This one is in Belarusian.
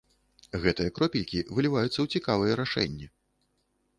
Гэтыя кропелькі выліваюцца ў цікавыя рашэнні.